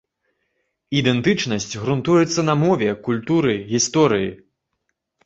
Ідэнтычнасць грунтуецца на мове, культуры, гісторыі.